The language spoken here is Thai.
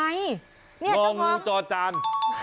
เนี่ยเจ้าของงอมูจอจาน